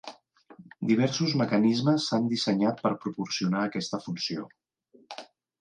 Diversos mecanismes s'han dissenyat per proporcionar aquesta funció.